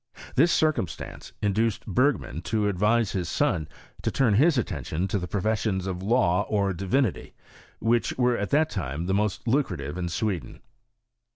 This circumstance induced Berg man to advise his son to turn his attention to the professions of law or divinity, which were at that time the most lucrative in Sweden.